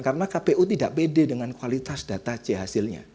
karena kpu tidak pede dengan kualitas data c hasilnya